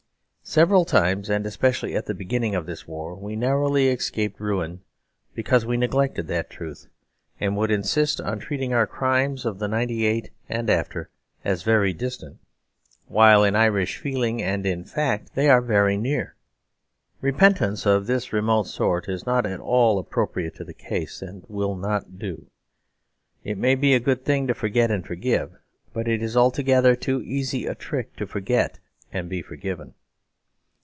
Several times, and especially at the beginning of this war, we narrowly escaped ruin because we neglected that truth, and would insist on treating our crimes of the '98 and after as very distant; while in Irish feeling, and in fact, they are very near. Repentance of this remote sort is not at all appropriate to the case, and will not do. It may be a good thing to forget and forgive; but it is altogether too easy a trick to forget and be forgiven.